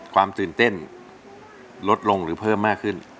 ความตื่นเต้นลดลงหรือเพิ่มมากขึ้น